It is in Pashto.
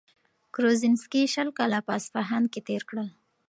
کروزینسکي شل کاله په اصفهان کي تېر کړل.